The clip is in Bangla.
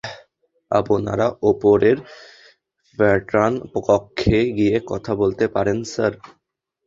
আপনারা ওপরের প্যাটার্ন কক্ষে গিয়ে কথা বলতে পারেন, স্যার!